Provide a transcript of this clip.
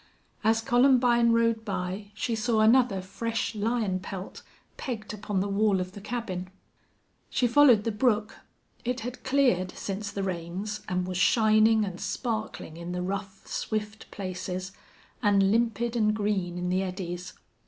As Columbine rode by she saw another fresh lion pelt pegged upon the wall of the cabin. She followed the brook. It had cleared since the rains and was shining and sparkling in the rough, swift places, and limpid and green in the eddies.